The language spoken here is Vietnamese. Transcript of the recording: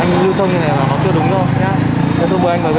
anh lưu thông như thế này nó chưa đúng đâu nhé